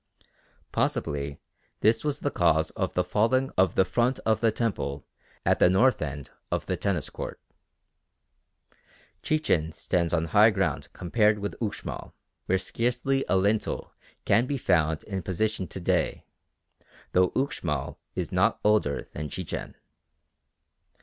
Possibly this was the cause of the falling of the front of the temple at the north end of the Tennis Court. Chichen stands on high ground compared with Uxmal, where scarcely a lintel can be found in position to day, though Uxmal is not older than Chichen.